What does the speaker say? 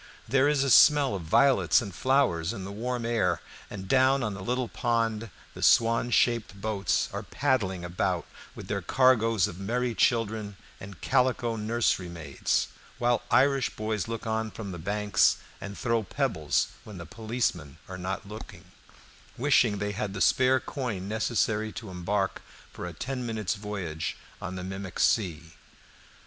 There is a smell of violets and flowers in the warm air, and down on the little pond the swan shaped boats are paddling about with their cargoes of merry children and calico nursery maids, while the Irish boys look on from the banks and throw pebbles when the policemen are not looking, wishing they had the spare coin necessary to embark for a ten minutes' voyage on the mimic sea.